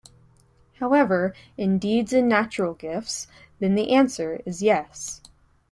However, in deeds and natural gifts, then the answer is yes.